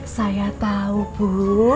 saya tau bu